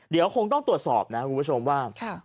เดี๋ยวคงต้องตรวจสอบนะคุณผู้ชมว่า